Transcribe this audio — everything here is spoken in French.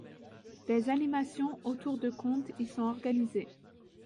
Des animations autour de contes y sont organisées.